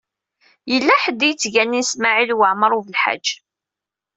Yella ḥedd i yettganin Smawil Waɛmaṛ U Belḥaǧ.